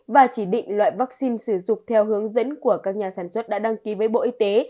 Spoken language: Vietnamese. và chỉ định loại vaccine sử dụng theo hướng dẫn của các nhà sản xuất đã đăng ký với bộ y tế